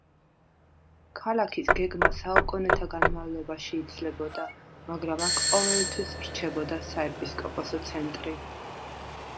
ქალაქის გეგმა საუკუნეთა განმავლობაში იცვლებოდა, მაგრამ აქ ყოველთვის რჩებოდა საეპისკოპოსო ცენტრი.